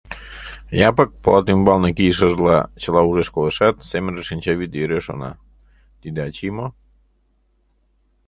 Япык, полат ӱмбалне кийышыжла, чыла ужеш-колешат, семынже шинчавӱд йӧре шона: «Тиде ачий мо?